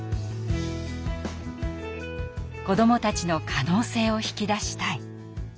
子どもたちの可能性を引き出したい。